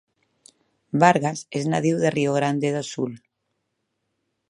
Vargas és nadiu de Rio Grande do Sul.